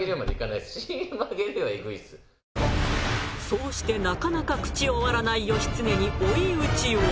そうしてなかなか口を割らない義経に追い打ちを。